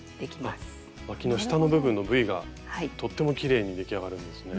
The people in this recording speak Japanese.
あっわきの下の部分のＶがとってもきれいに出来上がるんですね。